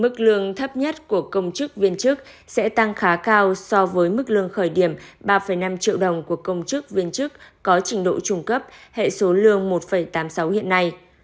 mức lương thấp nhất của công chức viên chức sẽ tăng khá cao so với mức lương khởi điểm ba năm triệu đồng của công chức viên chức có trình độ trung cấp hệ số lương một tám mươi sáu hiện nay